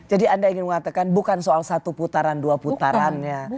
anda ingin mengatakan bukan soal satu putaran dua putarannya